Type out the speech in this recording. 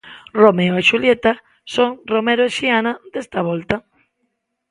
Romeo e Xulieta son Romero e Xiana, desta volta.